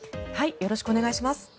よろしくお願いします。